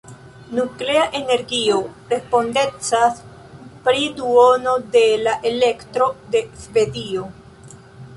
Nuklea energio respondecas pri duono de la elektro de Svedio.